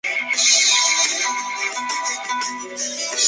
圣费利德帕利埃。